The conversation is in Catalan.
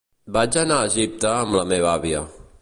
Vaig anar a Egipte amb la meva àvia.